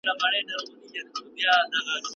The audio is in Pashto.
د ازادۍ فکر یې